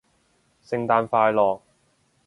聖誕快樂